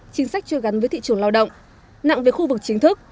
chính sách chưa gắn với thị trường lao động nặng về khu vực chính thức